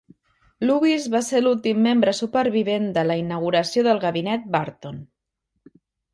Lewis va ser l'últim membre supervivent de la inauguració del Gabinet Barton.